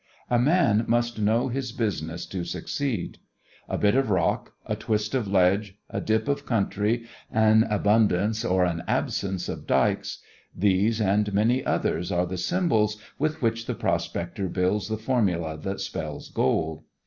A man must know his business to succeed. A bit of rock, a twist of ledge, a dip of country, an abundance or an absence of dikes these and many others are the symbols with which the prospector builds the formula that spells gold.